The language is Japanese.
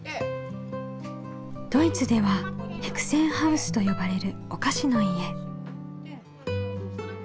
ドイツではヘクセンハウスと呼ばれるお菓子の家。